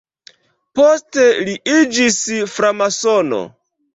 Poste li iĝis framasono.